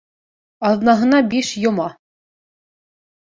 Аҙнаһына биш йома.